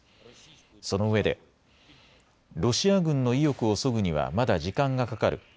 そのうえでロシア軍の意欲をそぐにはまだ時間がかかる。